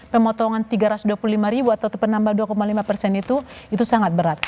pemotongan tiga ratus dua puluh lima ribu atau penambal dua lima persen itu itu sangat berat